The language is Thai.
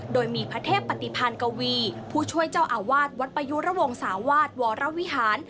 โดยมีพระเทพปฏิพันธ์กวีผู้ช่วยเจ้าอาวาสวัดประยุระวงศาวาสวรวิหาร